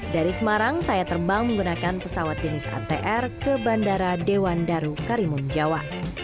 dari semarang saya terbang menggunakan pesawat jenis atr ke bandara dewan daru karimun jawa